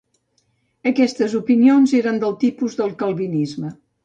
Aquestes opinions eren del tipus del calvinisme.